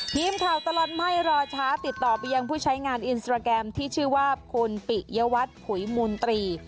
ทีมข่าวตลอดไม่รอช้าติดต่อไปยังผู้ใช้งานอินสตราแกรมที่ชื่อว่าคุณปิยวัตรผุยมูลตรี